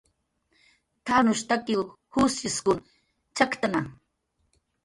"T""arnushtakiw jusshiskun chakktna"